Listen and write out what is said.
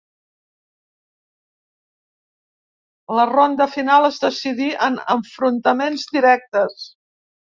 La ronda final es decidí en enfrontaments directes.